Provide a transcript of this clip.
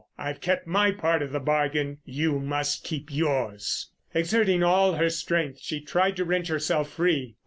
I've kept my part of the bargain; you must keep yours." Exerting all her strength, she tried to wrench herself free.